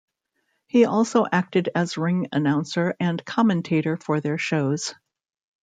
He also acted as ring announcer and commentator for their shows.